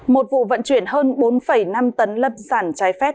một vụ vận chuyển hơn bốn năm tấn lâm sản trái phép